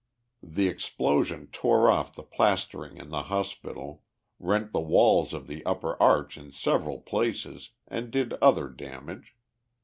The explosion tore off' the plastering in the hospital, rent the walls of the upper arch in several places and did other damage.